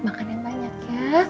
makan yang banyak ya